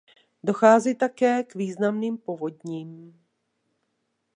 Dochází také k významným povodním.